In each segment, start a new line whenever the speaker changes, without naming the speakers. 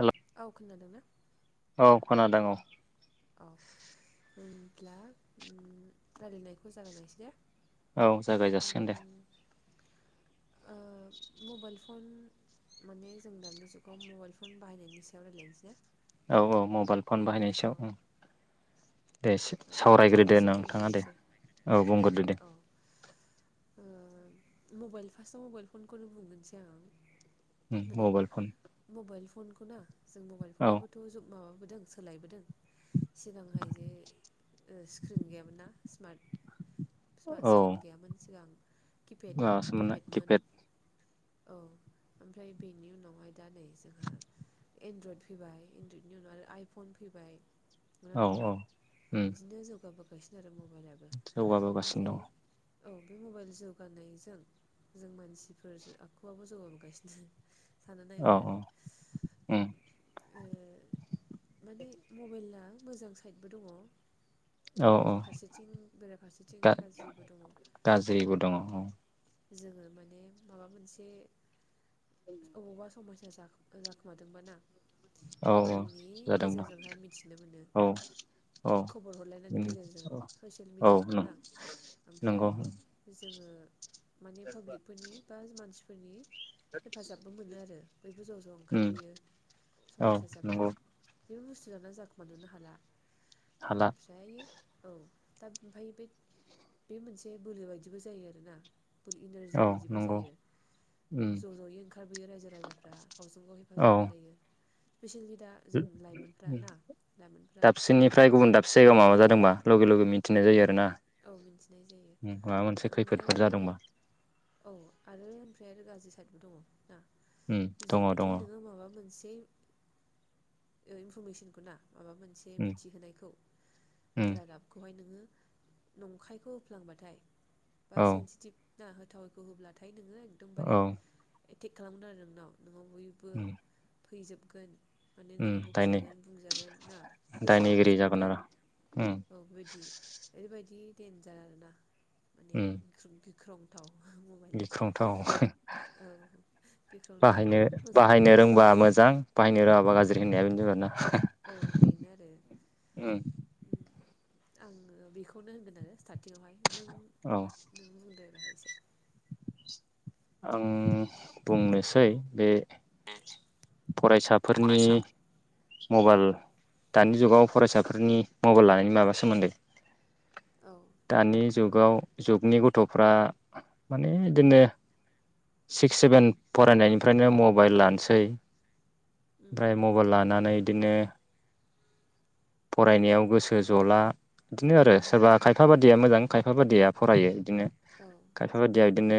हेल'
औ खोनादोंना?
औ खोनादों औ
औ होनब्ला रायजलायनायखौ जागायनायसै दे।
औ जागाय
उम
जासिगोन दे।
ओ मबाइल फन माने जों दानि जुगाव मबाइल फन बाहायनायनि सायाव रायलायनोसै ना?
औ औ मबाइल। फन बाहायनायनि सायाव। दे
औ आं
सावरायग्रोदो
एसे
नोंथाङा दे
बुंग्रोनोसै
औ बुंग्रोदो दे।
औ ओ मबाइल फार्स्टआव मबाइल फनखौनो बुंग्रोनोसै आं।
उम
माने
मबाइल फन
मबाइल फनखौना जों मबाइल
औ
फनाबाबोथ' ज माबाबो सोलायबोदों। सिगांहाय जे स्क्रिन गैयामोन ना स्मार्ट स्मार्ट
औ
स्क्रिन गैयामोन सिगां। किपेड
माबासोमोनना
किपेडमोन
किपेड।
औ ओमफ्राय बेनि उनावहाय दा नै जोंहा एनड्रयड फैबाय एनड्रयडनि उनाव आरो आइफन फैबाय। नंगौना
औ
नङा
औ
बिदिनो जौगाबोगासिनो आरोबाव।
जौगाबोगासिनो दङ।
औ बे मबाइल जौगानायजों जों मानसिफोर आखुआबो जौगाबोगासिनो साननो
औ
नायोब्ला
औ
आरो उम ओ माने मबाइलआ मोजां साइदबो दङ।
औ औ
मोजां फारसेथिं बेराफारसेथिं
गा
गाज्रिबो दङ
गाज्रिबो दङ
औ।
औ
जोङो माने माबा मोनसे अबावबा समयसा जाख जाखोमादोंबा ना
औ औ
मबाइलनि
जादोंबा
गेजेरजोंहाय मिथिनो मोनो
औ औ
खबर हरलायनायनि
उम
गेजेरजों ससियेल
औ
मिडियाफ्राव
नं
ना
नंगौ
ओमफ्राय जोङो माने फाब्लिकफोरनि बा स मानसिफोर फोरनि हेफाजाबबो मोनो आरो बयबो ज' ज'
उम
ओंखारबोयो
औ
समायसा जाब्ला।
नंगौ
जेबो बुस्थु दाना जाखोमा नुनो हाला
हाला
ओमफ्राय औ दा ओमफाय बे बे मोनसे बोलो बायदिबो जायो आरोना इनारजि
औ
बायदिबो
नंगौ
जायो
उम
ज' ज'यै ओंंखा खारबोयो रायजो राजाफ्रा गावजों गाव
औ
हेफाजाब होलायो। स्पेसियेलि दा जों
उम
लाइमोनफ्रा ना लाइमोनफ्रा
से जायगायाव माबा जादोंबा लगे लोगे मिथिनाय जायो आरो‌ना
औ मिन्थिनाय जायो ओमफ्राय
खैफोदफोर
आरो
जादोंबा
औ आरो ओमफ्राय आरो गाज्रि साइदबो दङ ना
उम दङ दङ
जुदि नोङो माबा मोनसे ओ इनफरमेसनखौ ना माबा मोनसे
उम
मिथिहोनायखौ
उम
रादाबखौहाय नोङो नंखायखौ होफ्लांबाथाय बा
औ
सेन्सिटिभ ना होथावैखौ होब्लाथाय नोङो एकदमबारे
औ
एटेक खालामगोन आरो नोंनाव न' बयबो
उम
फैजोबगोन माने
उम
नोङो
दायनि
बखिजागोन बुंजागोन ना
दायनिगिरि जागोन आरो
गोसारजोबगोन
उम
औ बेबायदि ओरैबायदि देन्जार आरो ना माने
उम
[unintelligible] गिख्रंथाव। मबाइला
गिख्रंथाव
औ गिख्रंथावबो
बाहायनो
मोजांबो
बाहायनो रोंबा मोजां बाहायनो रोङाबा गाज्रि। होननाया बिनो जाबाय।
औ बेनो आरो।
उम
आङो बेखौनो होनगोन आरो स्टार्टिं आवहाय।
औ।
एसे
आं बुंनोसै बे फरायसाफोरनि।
फरायसा
मबाइल दानि जुगाव फरायसाफोरनि मबाइल लानायनि माबा सोमोन्दै
औ
दानि जुगाव जुगनि गथ'फ्रा माने बिदिनो सिक्स सेभेन फरायनायनिफ्रायनो मबाइल लानोसै।
उम
ओमफ्राय मबाइल लानानै दिनो फरायनायाव गोसो जला। दिनो आरो
उम
सोरबा बादिया मोजां खायफा बादिया फरायो। बिदिनो
औ
खाफा बायदिआ दिनो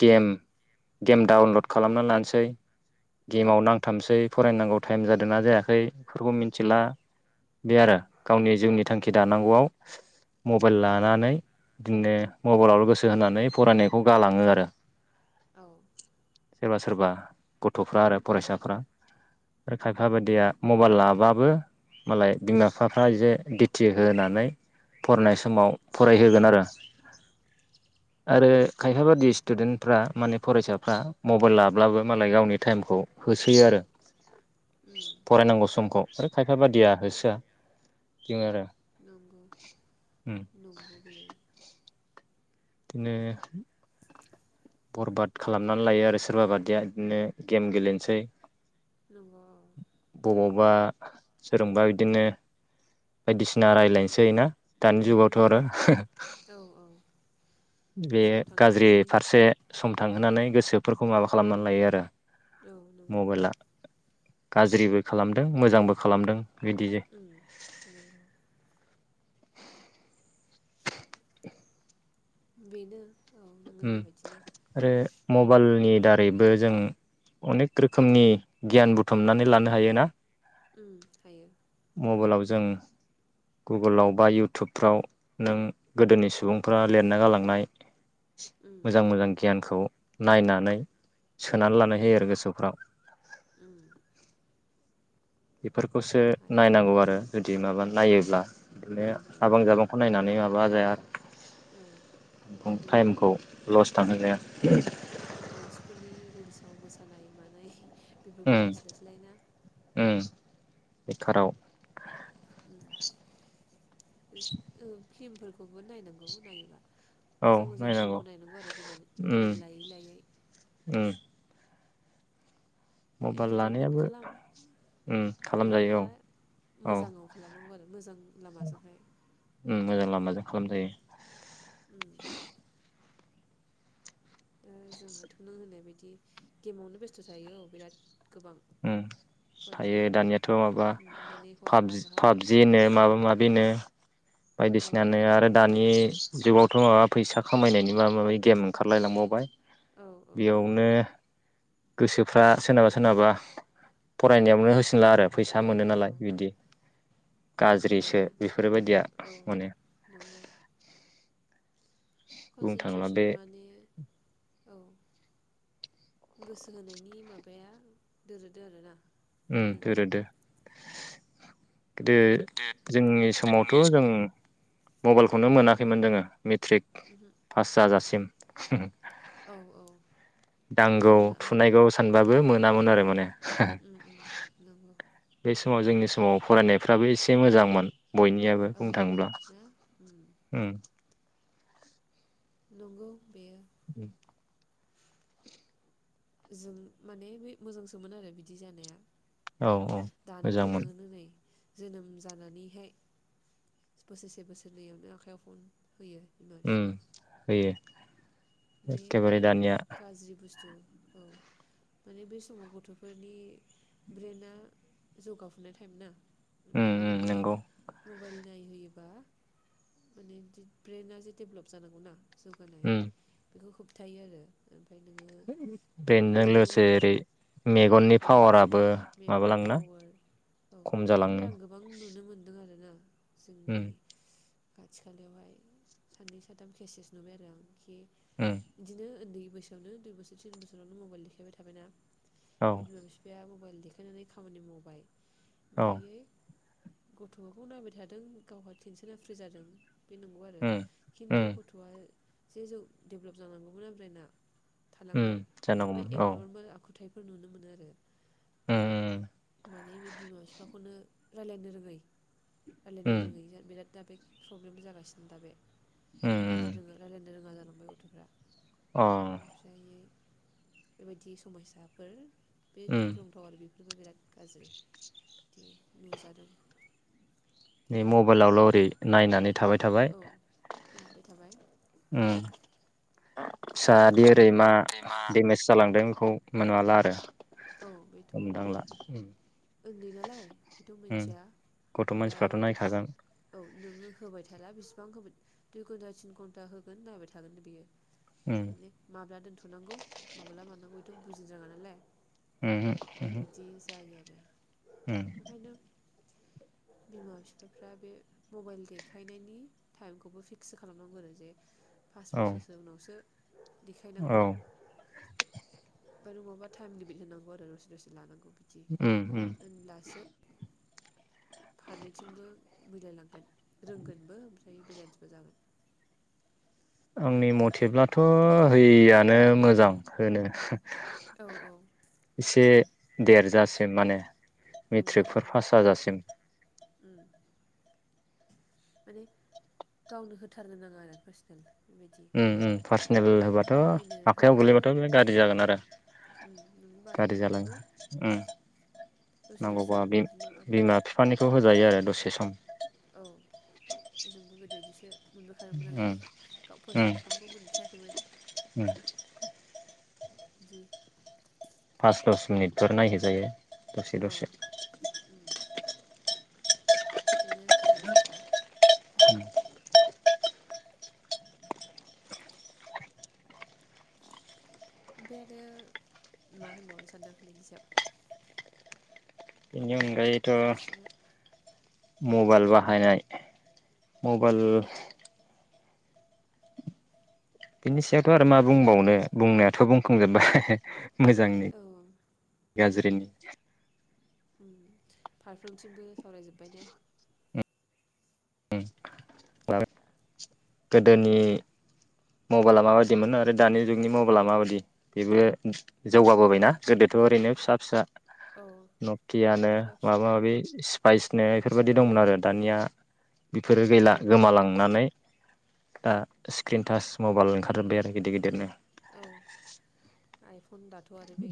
गेम गेम डाउनलड खालामना लानोसै
औ
गेमाव नांथाबसै। फरायनांगौ टाइम जादोंना जायाखै फोरखौ मिथिला। बे
उम
आरो गावनि जिउनि थांखि दानांगौआव मबाइल
औ
लानानै दिनो मबाइलाव गोसो होनानै फरायनायखौ गालाङो आरो।
औ
सोरबा सोरबा गथ'फ्रा आरो
उम
फरायसाफ्रा आरो खायफा
उम
बायदिया मबाइल लाबाबो‌ मालाय बिमा बिफाफ्रा एसे दिथि होनानै फरनाय स समाव
औ
फरायहोगोन आरो। आरो खायफा बादि स्टुडेन्टफ्रा माने फरायसाफ्रा मबाइल लाब्लाबो मालाय गावनि टाइमखौ होसोयो आरो।
उम
फरायनांगौ समखौ आरो खायफा बादिया होसोआ दोङो आरो।
नंगौ
उम
नंगौ बेयो।
दिनो बरबाद खालामनानै लायो आरो सोरबा बादिया बिदिनो गेम गेलेनोसै
नंगौ औ
वा सोरजोंबा बिदिनो बायदिसिना रायलायनोसै ना दानि जुगावथ'
उम
आरो [unintelligible]
औ औ
बे
सम
गाज्रि
थांहोनोसै
फारसे सम थांहोनानै गोसो एफोरखौ माबा खालामनानै लायो आरो।
औ नंगौ नंगौ
मबाइलाआ गाज्रिबो खालामदों मोजांबो खालामदों बिदि
उम नंगौ बेनो औ नों होननाय बायदिनो
आरो
माने
मबाइलनि दारैबो जों अनेक रोखोमनि गियान बुथुमनानै लानो हायोना
उम हायो
मबाइलाव जों गुगोलाव बा इउटुबफ्राव नों गोदोनि सुबुंफ्रा लिरना गालांनाय
उम
मोजां मोजां गियानखौ नायनानै सोनानै लानाय
उम
होयो आरो गोसोफ्राव
उम
फोरखौसो
हायो
नायनांगौ आरो जुदि माबा नायोब्ला बिदिनो
नायोब्लाना
साबां जाबांखौ नायनानै आ जाय
औ
आरो
बे
टाइमखौ लस
उम
थांहोनलाया
खानाय मानाय बेफोरखौ नायस्लायस्लायना
उम बेखाराव
उम फ्लिमफोरखौबो नायनांगौ नायोबा मोजां मोजां फिल्मखौ नायनांगौ आरो गोबाव
उम
टाइम लायै लायै
उम मबाइल
इन्टारटेनमेन्ट
लानायाबो
खालाम
उम खालामजायो
खालामबा
औ औ
मोजाङाव खालामनांगौ आरो मोजां लामाजोंहाय
खनदै
उम दा जोङोथ' नों होननाय बायदि गेमावनो बेस्थ' थायो औ बिराद गोबां
उम थायो
फरायसाफ्रा
दानियाथ' माबा
उम माने हरफा गाहाम
पाबजि होनो माबा माबिनो
औ
बायदिसिनानो आरो दानि जुगावथ' माबा फैसा खामायनायनि माबा माबि गेम ओंखारलायलांबावबाय
औ औ
बेयावनो गोसोफ्रा सोरनाबा सोरनाबा फरायनायावनो होस सिनला आरो फैसा
औ
मोनो
औ
नालाय बिदि गाज्रिसो
माबायो
बेफोरबायदिया
औ
माने‌
नंगौ कनसेन्ट्रेसन माने औ गोसो होनायनि माबाया दोरोदो आरो ना?
उम दोरोदो।
दे
गोदो जोंनि समावथ'
जोंनि
जों मबाइलखौनो मोनाखैमोन जोङो। मेट्रिक
उमहो
पास जाजासिम। [inaudible]
औ औ
दांगौ
जोंना
थुनायगौ सानबाबो मो नामोन आरो माने।
उम उम नोंगौ।
बे समाव जोंनि समाव फरायनायफ्राबो एसे मोजांमोन। बयनियाबो
औ
बुंनो थाङोब्ला
ना उम
उम।
नंगौ बेयो।
उम।
जों माने बे मोजांसोमोन आरो बिदि जानाया।
औ औ
दानाथ'
मोजांमोन।
नोङो नै जोनोम जानानैहाय बोसोरसे बोसोरनैयावनो आखायाव फन होयो। बिमा
उम
बिफाया
होयो।
बे
एखेबारे
माने बिराद
दानिया
गाज्रि बुस्थु। औ माने बे समाव गथ'फोरनि ब्रेना जौगाफुनाय टाइम ना।
उम
ओमफ्राय
उम
नोङो
नंगौ
मबाइल नाय होयोबा माने दि ब्रेना ज डेभेलप जानांगौना। जौगानाय। बेखौ होबथायो आरो। नोङो आरो
बेन्जों लोगोसे
एबनर्मेल
ओरै मेगननि पावाराबो
मेगननि
माबालाङोना
पावार औ
खम
ओमफ्राय आं
जालाङो।
गोबां नुनो मोनदों आरोना जोंनि
उम
खाथि खालायावहाय सानै साथाम केसेस नुबाय आरो आं खि
उम
इदिनो ओन्दै बैसोआवनो दुइ बोसोर तिन बोसोरावनो मबाइल देखायबाय थाबाय ना?
औ
ओइ बिमा बिफाया म बाइल देखायनानै खामानि मावबाय।
औ
ओमफायै गथखौ नायबाय थादों गावहा टेनसना फ्रि जादों। बे नांगौ आरो
उम उम
खिन्थु गथ'आ सेजौ डेभलप जानांगौमोन ओमफ्राय ना?
उम
थालांबाय ओमफ्राय
जानांगौमोन औ
एब नरमेल आखुथाइ फोर नुनो मोनो आरो
उम
माने बे बिमा बिफाखौनो रायलायनो रोङै रायलायनो
उम
रोङै जाबिराद दा बेद प्रब्लेमबो जागासिनो दा बे।
उम उम
[unintelligible] [inaudible]
अ
बेबायदि समयसाफोर बे
उम
गिख्रोंथाव आरो बे बेबो बिराद गाज्रि दि नुजादों
बे मबाइलावल' ओरै नायनानै थाबाय थाबाय
औ नाहाबबाय थाबाय
उय फिसायादि ओरै मा
सैमा
देमेज जालांदों खौ मोनाला आरो
औ बेथ'
हमदांला
उन्दै नालाय बेथ'
उम
मिथिया
गथ'
माब्लायाव
मानसिफ्राथ' नायखागोन
नोङो होबाय थाला बेसिबां होबाय दुइ घन्टा थिन घन्टा होगोन नायबाय थागोन बियो
उम
माने माब्ला दोनथ'नांगौ माब्ला मानांगौ थ' बुजिनो रोङा नालाय
उहो ओहो
बिदि जायो आरो
उह
ओंखायनो बिमा फिफाफ्रा बे मबाइल देखायनायनि टाइमखौबो फिक्स खालामनांगौ आरो जे फास
औ
बोसोरसो उनावसो
औ
देखायनांगौ बा नङाबा थाइमनि बिहोनांगौ आरो दसे दसे लानांगौ
उम उम
[unintelligible] फारनैथिंबो मिलायलांगोन रोंगोनबो ओमफ्राय बेलेन्सबो जागोन
आंनि मथेब्लाथ' होयैआनो मोजां होनो
औ औ
[inaudible] एसे देरजासिम माने
नंगौ
मेट्रिकफोर
नंगौ
पास जाजासिम
माने गावनो होथारनो नाङा आरो पार्सनेल बेबायदि
उम उम पार्सनेल होबाथ'
बाहायनो
आखायाव
होबाबो
गोलैबाथ' बे गारजि जागोन आरो
उम नों बाहायनो
गारजि
होबाबो
जालाङो औ
दसे दसे
नांगौबा
बिदिल' आरो
बिमा बिफानिखौ होजोब जायो आरो दसे सम
औ जोंबो गोदो इदिसो मोनबोखादोंमोन
उम
नालाय गाव
उम
पार्सनेल फनखौ मोनखायाखैमोन
उम
[inaudible]
पास दस मिनिट फोर नायहो जायो। दसे
औ
दसे
बेनो समयसाफ्रा ओमफाय आरो मा होनबावनो सानदों बेनि सायाव
ओमफायथ'
गुसुङै
मबाइल बाहायनाय मबाइल बिनि सायावथ' आरो मा बुंबावनो बुंनायाथ' बुंखांजोबबाय मोजांनि
औ
गाज्रिनि
फारफ्रोमथिंमबो सावरायजोब्बाय ने
उम गोदोनि मबाला माबायदिमोन आरो दानि जुगनि मबाला माबायदि बेबो जौगाबोबायना गोदोथ' ओरैनो फिसा फिसा
औ
नकियानो
फिसा फिसा
माबा
औ
माबि स्पाइस नो बेफोरबायदि दंमोन आरो दानिया बेफोरो गैला
दङमोन औ
गोमालांनानै दा स्क्रिनटास मबाल ओंखारजोबबाय आरो गिदिर गिदिरनो
औ आइ दाथ' आरो बे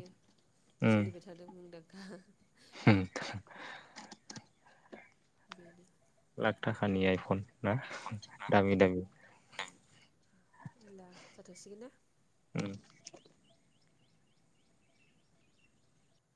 सोलिबाय
उम
थादों मुंदां [inaudible]
[inaudible]
बेनो
लाख थाखानि आयफन ना दामि दामि
होमब्ला जाथ'सिगोन ना?